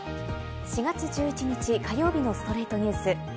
４月１１日、火曜日の『ストレイトニュース』。